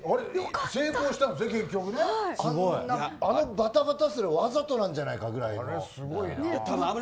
あのバタバタすらわざとなんじゃないかくらいの。